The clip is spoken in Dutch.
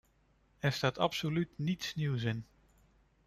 Er staat absoluut niets nieuws in.